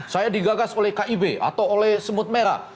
saya digagas oleh kib atau oleh semut merah